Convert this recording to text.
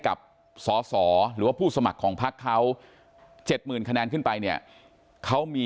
กับสอสอหรือว่าผู้สมัครของพักเขา๗๐๐คะแนนขึ้นไปเนี่ยเขามี